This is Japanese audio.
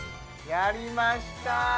やりました